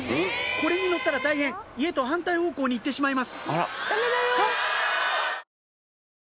これに乗ったら大変家と反対方向に行ってしまいます